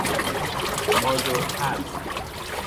آجر پز